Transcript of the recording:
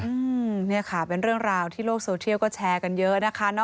อืมเนี่ยค่ะเป็นเรื่องราวที่โลกโซเทียลก็แชร์กันเยอะนะคะเนอ